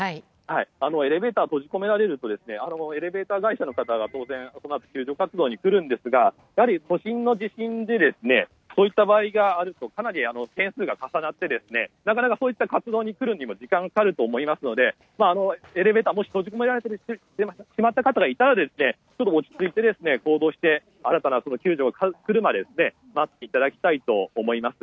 エレベーターに閉じ込められるとエレベーター会社の方が救助活動に来るんですがやはり都心の地震でそういった場合があるとかなり件数が重なってなかなかそういった活動に来るにも時間がかかると思いますのでエレベーターにもし閉じ込められてしまった方がいたら落ち着いて行動して救助が来るまで待っていただきたいと思います。